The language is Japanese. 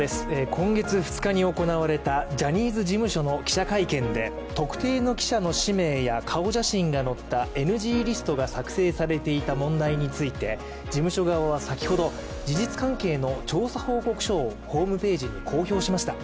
今月２日に行われたジャニーズ事務所の記者会見で特定の記者の氏名や顔写真が載ったＮＧリストが作成されていた問題について事務所側は先ほど事実関係の調査報告書をホームページに公表しました。